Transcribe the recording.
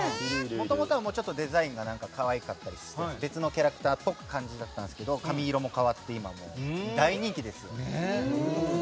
もともとはデザインが可愛かったですけど別のキャラクターっぽい感じだったんですけど髪色も変わって今、もう大人気ですよ。